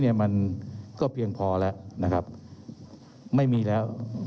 เรามีการปิดบันทึกจับกลุ่มเขาหรือหลังเกิดเหตุแล้วเนี่ย